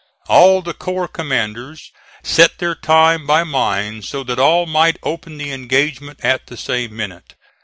All the corps commanders set their time by mine so that all might open the engagement at the same minute.